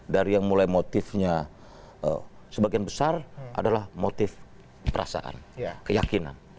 dari yang mulai motifnya sebagian besar adalah motif perasaan keyakinan